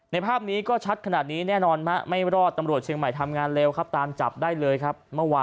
ภาพนี้ก็ชัดขนาดนี้แน่นอนไม่รอดตำรวจเชียงใหม่ทำงานเร็วครับตามจับได้เลยครับ